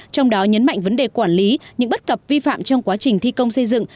trong đó nhấn mạnh vấn đề quản lý những bất cập vi phạm trong quá trình thi công xây dựng